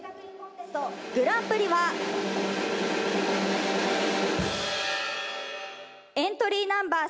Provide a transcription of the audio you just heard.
グランプリはエントリーナンバー３。